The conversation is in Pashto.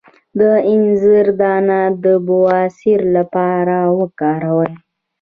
د انځر دانه د بواسیر لپاره وکاروئ